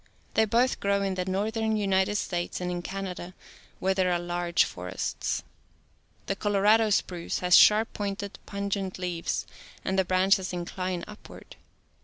They both grow in the northern United States and in Canada where there are large forests. The Cciorado spruce has sharp pointed, pungent leaves and the branches incline upward.